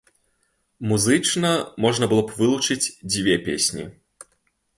Музычна можна было б вылучыць дзве песні.